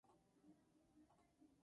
De su frente brotan alas grises.